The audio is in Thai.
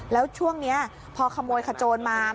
แล้วช่วงนี้พอขโมยขโจรมา